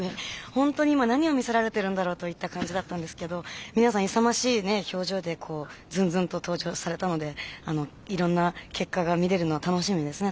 ホントに今何を見せられてるんだろうといった感じだったんですけど皆さん勇ましいね表情でずんずんと登場されたのでいろんな結果が見れるの楽しみですね